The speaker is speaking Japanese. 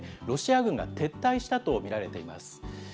ロシア軍が撤退したと見られています。